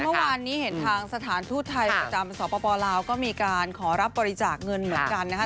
เมื่อวานนี้เห็นทางสถานทูตไทยประจำสปลาวก็มีการขอรับบริจาคเงินเหมือนกันนะคะ